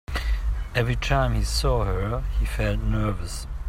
Every time he saw her, he felt nervous.